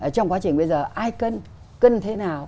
trong quá trình bây giờ ai cân cân thế nào